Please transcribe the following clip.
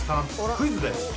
クイズです。